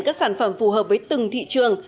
các sản phẩm phù hợp với từng thị trường